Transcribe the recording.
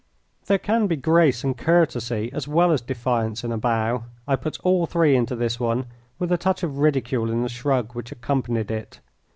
There can be grace and courtesy as well as defiance in a bow; I put all three into this one, with a touch of ridicule in the shrug which accompanied it.